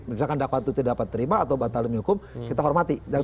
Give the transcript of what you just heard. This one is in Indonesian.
misalkan dakwaan itu tidak dapat terima atau batal demi hukum kita hormati